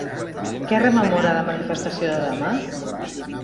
Què rememora la manifestació de demà?